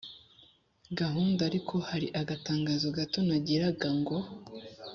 gahunda ariko hari agatangazo gato nagiraga ngo